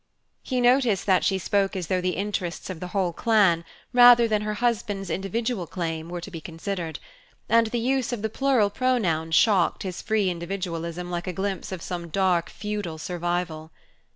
He noticed that she spoke as though the interests of the whole clan, rather than her husband's individual claim, were to be considered; and the use of the plural pronoun shocked his free individualism like a glimpse of some dark feudal survival.